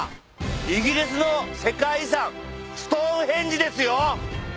イギリスの世界遺産ストーンヘンジですよ！